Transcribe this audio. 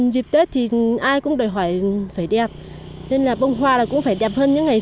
dịp tết thì ai cũng đòi hỏi phải đẹp nên là bông hoa cũng phải đẹp hơn những ngày